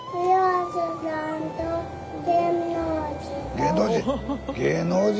芸能人。